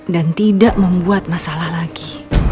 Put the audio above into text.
dan tidak membuat masalah lagi